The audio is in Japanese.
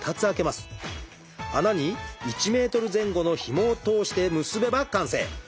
穴に１ｍ前後のひもを通して結べば完成！